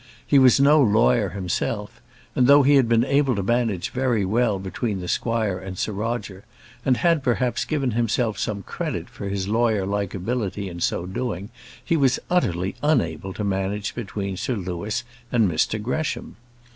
He was no lawyer himself; and though he had been able to manage very well between the squire and Sir Roger, and had perhaps given himself some credit for his lawyer like ability in so doing, he was utterly unable to manage between Sir Louis and Mr Gresham.